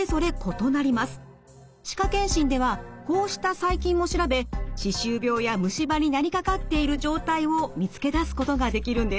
歯科健診ではこうした細菌を調べ歯周病や虫歯になりかかっている状態を見つけ出すことができるんです。